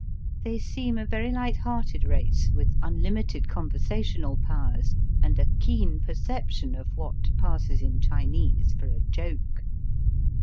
They seem a very Ught hearted race, with unHmited con versational powers, and a keen perception of what passes in Chinese for a joke.